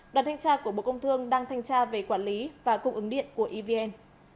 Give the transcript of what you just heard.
đoàn thanh tra của bộ công thương đang thanh tra về quản lý và cung ứng điện của evn